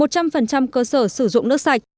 một trăm linh cơ sở sử dụng nước sạch